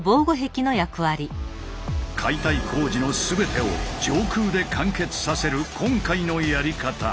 解体工事の全てを上空で完結させる今回のやり方。